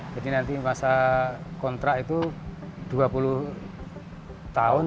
nanti masa kontrak itu dua puluh tahun